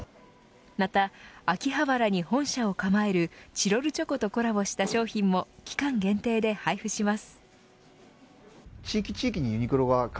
また秋葉原に本社を構えるチロルチョコとコラボした商品も期間限定で配布します。